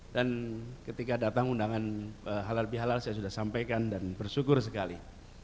dan ketika datang undangan halal bihalal saya sudah sampaikan dan bersyukur sekali